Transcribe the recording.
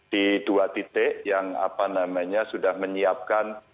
di dua titik yang apa namanya sudah menyiapkan